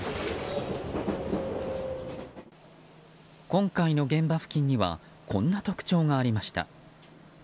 今回の現場付近にはこんな特徴がありました。